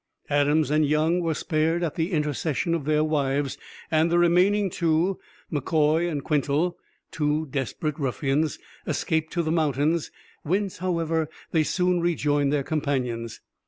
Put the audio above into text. Adams and Young were spared at the intercession of their wives, and the remaining two, M'Koy and Quintal (two desperate ruffians), escaped to the mountains, whence, however, they soon rejoined their companions.